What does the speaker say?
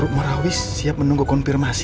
grup marawis siap menunggu konfirmasi